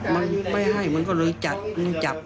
มันไม่ให้มันก็เลยจับมันจับ